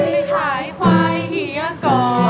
ไปขายควายเฮียก่อน